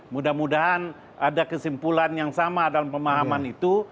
mudah mudahan ada kesimpulan yang sama dalam pemahaman itu